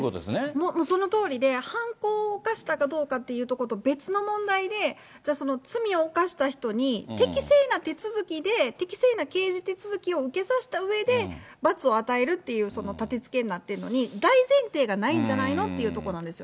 もう、そのとおりで、犯行を犯したどうかっていうことと別の問題で、じゃあ、その罪を犯した人に、適正な手続きで、適正な刑事手続きを受けさせたうえで、罰を与えるっていう立てつけになっているのに、大前提がないんじゃないのってとこなんですよね。